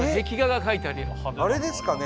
あれですかね。